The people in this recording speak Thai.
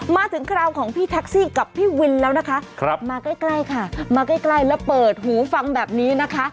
คราวของพี่แท็กซี่กับพี่วินแล้วนะคะมาใกล้ค่ะมาใกล้แล้วเปิดหูฟังแบบนี้นะคะ